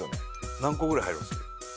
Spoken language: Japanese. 何個ぐらい入ります？